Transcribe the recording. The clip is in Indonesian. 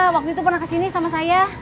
waktu itu pernah ke sini sama saya